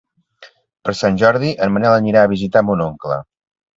Per Sant Jordi en Manel anirà a visitar mon oncle.